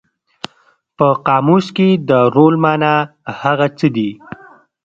په قاموس کې د رول مانا هغه څه دي.